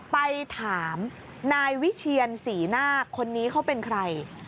ไปถามนายวิเชียนศรีนาคคนนี้เขาเป็นใคร